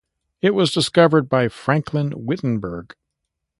It was discovered by Franklin Whittenburg.